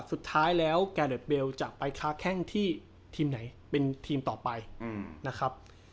สุดท้ายแล้วแกเดอร์เบลจะไปค้าแข้งที่ทีมไหนเป็นทีมต่อไปนะครับ